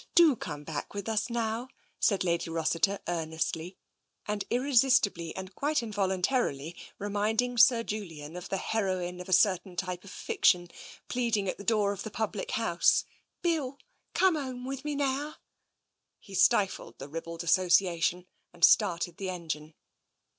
Do come back with us now," said Lady Rossiter earnestly, and irresistibly and quite involuntarily reminding Sir Julian of the heroine of a certain type of fiction, pleading at the' door of the public house, " Bill, come home with me now" He stifled the ribald association and started the engine.